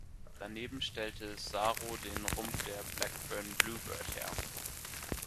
Daneben stellte Saro den Rumpf der Blackburn Bluebird her.